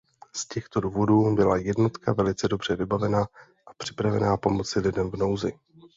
Z těchto důvodů byla jednotka velice dobře vybavena a připravena pomoci lidem v nouzi.